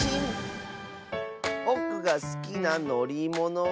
ぼくがすきなのりものは。